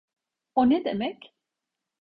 O ne demek?